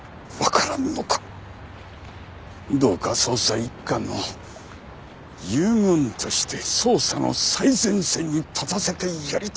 どうか捜査一課の遊軍として捜査の最前線に立たせてやりたい。